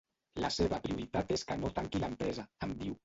La seva prioritat és que no tanqui l’empresa, em diu.